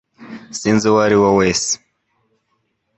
Sinzi uwo ari we wese